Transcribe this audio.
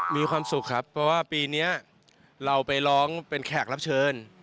มีความสุขครับเพราะว่าปีนี้เราไปร้องเป็นแขกรับเชิญ